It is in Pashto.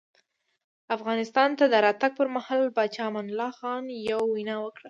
افغانستان ته د راتګ پر مهال پاچا امان الله خان یوه وینا وکړه.